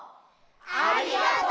ありがとう！